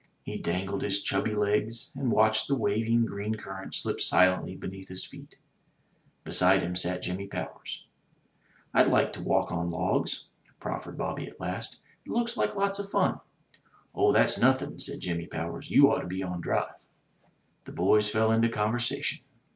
He dangled his chubby legs, and watched the waving green current slip silently beneath his feet. Beside him sat Jimmy Powers. "Fd like to walk on logs," proffered Bobby at last, "It looks like lots of fun." "Oh, that's nothin'," said Jimmy Powers. "You ought to be on drive." The boys fell into conversation.